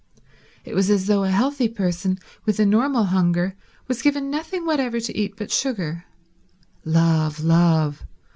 It was as though a healthy person with a normal hunger was given nothing whatever to eat but sugar. Love, love